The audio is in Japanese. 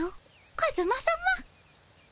カズマさま。